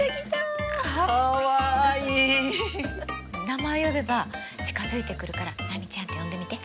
名前を呼べば近づいてくるから「波ちゃん」って呼んでみて。